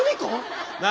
何？